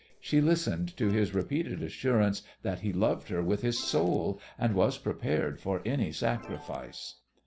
She listened to his repeated assurances that he loved her with his "soul" and was prepared for any sacrifice.